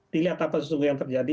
dilihat apa sesungguh yang terjadi